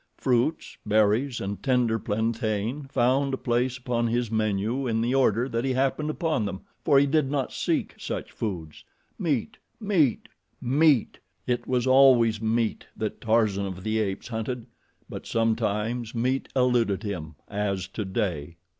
Fruits, berries, and tender plantain found a place upon his menu in the order that he happened upon them, for he did not seek such foods. Meat, meat, meat! It was always meat that Tarzan of the Apes hunted; but sometimes meat eluded him, as today.